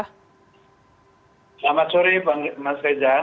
selamat sore mas reza